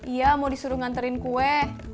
iya mau disuruh nganterin kue